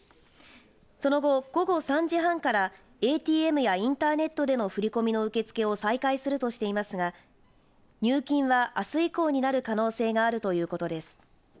その後午後３時半からＡＴＭやインターネットでの振り込みの受け付けを再開するとしていますが入金はあす以降になる可能性があるということです。